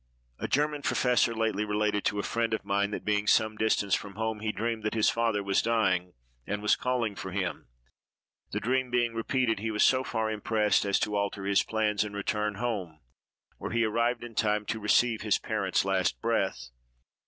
A German professor lately related to a friend of mine, that, being some distance from home, he dreamed that his father was dying, and was calling for him. The dream being repeated, he was so far impressed as to alter his plans, and return home, where he arrived in time to receive his parent's last breath.